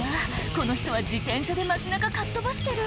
この人は自転車で街中かっ飛ばしてる